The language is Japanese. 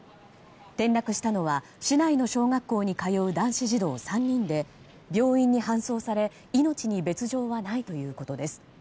転落したのは市内の小学校に通う男子児童３人で病院に搬送され命に別条はないということです。